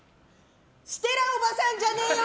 ステラおばさんじゃねーよ